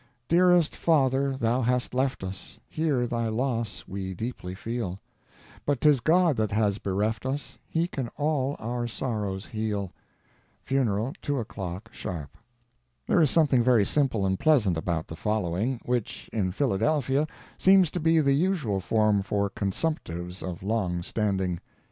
Dearest father, thou hast left us, Here thy loss we deeply feel; But 'tis God that has bereft us, He can all our sorrows heal. Funeral at 2 o'clock sharp. There is something very simple and pleasant about the following, which, in Philadelphia, seems to be the usual form for consumptives of long standing.